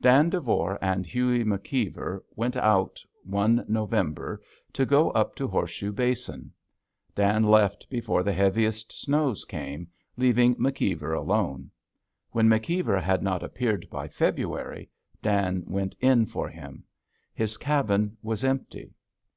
Dan Devore and Hughie McKeever went out one November to go up to Horseshoe Basin. Dan left before the heaviest snows came, leaving McKeever alone. When McKeever had not appeared by February, Dan went in for him. His cabin was empty.